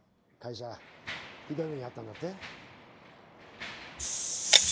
会社ひどい目にあったんだって？